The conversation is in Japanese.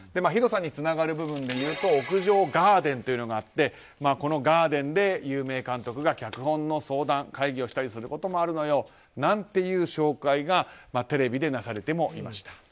広さにつながる部分でいうと屋上ガーデンというのがあってこのガーデンで有名監督が脚本の相談会議をしたりすることもあるのよなんていう紹介がテレビでなされていました。